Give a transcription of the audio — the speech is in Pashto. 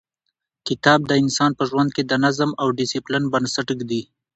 کتاب د انسان په ژوند کې د نظم او ډیسپلین بنسټ ږدي.